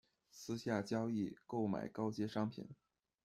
私下交易购买高阶商品